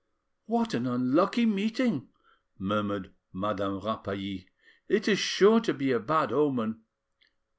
"What an unlucky meeting!" murmured Madame Rapally; "it is sure to be a bad omen."